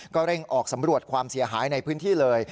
เร่งออกสำรวจความเสียหายในพื้นที่เลย